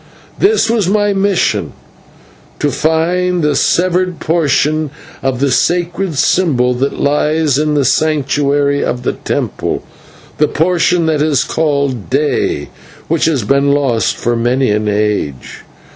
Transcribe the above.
This was my mission: To find the severed portion of the sacred symbol that lies in the sanctuary of the temple, the portion that is called Day, which has been lost for many an age.